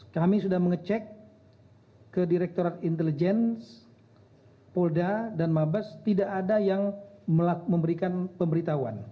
kami sudah mengecek ke direkturat intelijen polda dan mabes tidak ada yang memberikan pemberitahuan